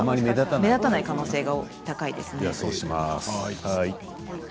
目立たない可能性が大きいですね。